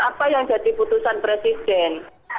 apa yang jadi putusan presiden